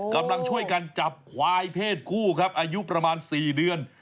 กำลังช่วยกันจับควายเพศผู้ครับอายุประมาณ๔เดือน